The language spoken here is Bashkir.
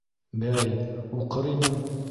— Бәй, уҡыр инем.